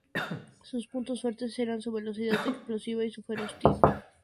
Sus puntos fuertes eran su velocidad explosiva y su feroz tiro.